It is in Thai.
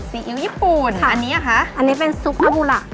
ซีอิ๊วญี่ปุ่นอันนี้ค่ะอันนี้เป็นซุปอับูระค่ะ